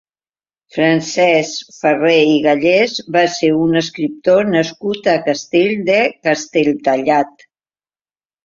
Francesc Ferrer i Gallés va ser un escriptor nascut a Castell de Castelltallat.